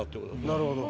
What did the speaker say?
なるほど。